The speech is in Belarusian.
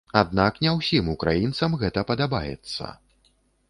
Аднак не ўсім украінцам гэта падабаецца.